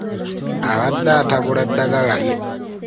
Abadde atabula ddagala lye.